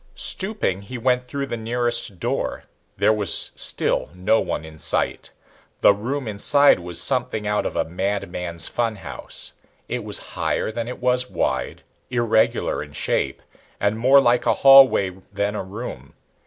Stooping, he went through the nearest door. There was still no one in sight. The room inside was something out of a madman's funhouse. It was higher than it was wide, irregular in shape, and more like a hallway than a room.